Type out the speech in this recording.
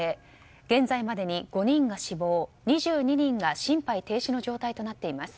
現在までに５人が死亡２２人が心肺停止の状態となっています。